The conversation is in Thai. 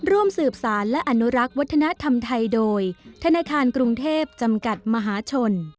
ร่วมสืบสารและอนุรักษ์วัฒนธรรมไทยโดยธนาคารกรุงเทพจำกัดมหาชน